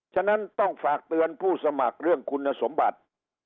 ฉะนั้นต้องฝากเตือนผู้สมัครเรื่องคุณสมบัติ